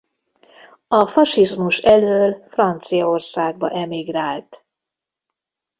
A fasizmus elől Franciaországba emigrált.